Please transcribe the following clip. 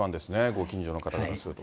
ご近所の方からすると。